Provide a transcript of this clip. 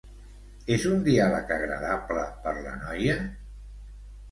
És un diàleg agradable per la noia?